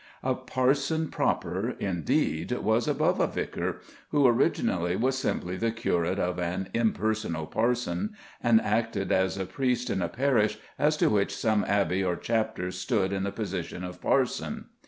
A parson proper, indeed, was above a vicar, who originally was simply the curate of an impersonal parson, and acted as priest in a parish as to which some abbey or chapter stood in the position of parson.